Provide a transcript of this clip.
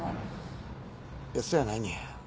いやそやないねや。